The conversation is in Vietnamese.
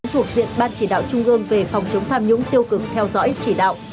thuộc diện ban chỉ đạo trung ương về phòng chống tham nhũng tiêu cực theo dõi chỉ đạo